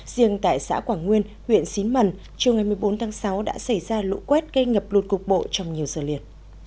riêng tại xã quảng nguyên huyện xín mần chiều ngày một mươi bốn tháng sáu đã xảy ra lũ quét gây ngập lụt cục bộ trong nhiều giờ liền